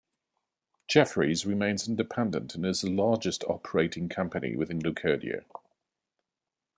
Jefferies remains independent and is the largest operating company within Leucadia.